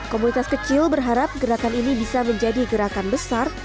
komunitas kecil berharap gerakan ini bisa menjadi gerakan besar